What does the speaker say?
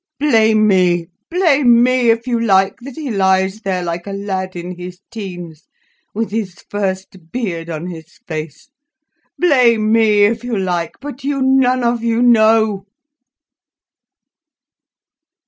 "Blame me, blame me if you like, that he lies there like a lad in his teens, with his first beard on his face. Blame me if you like. But you none of you know."